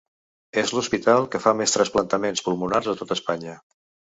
És l’hospital que fa més trasplantaments pulmonars a tot Espanya.